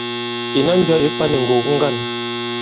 Ìnà mbyɔ ì kwany ì ŋgògo ŋgân.